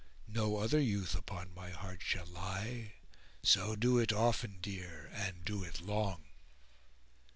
No other youth upon my heart shall lie; * So do it often, dear, and do it long."